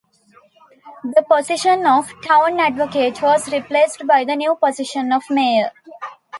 The position of 'town advocate' was replaced by the new position of mayor.